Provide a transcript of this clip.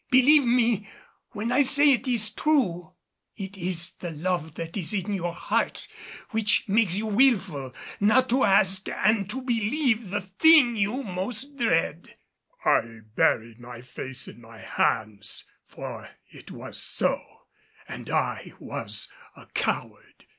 Believe me, what I say is true. It is the love that is in your heart which makes you wilful not to ask and to believe the thing you most dread." I buried my face in my hands, for it was so and I was a coward.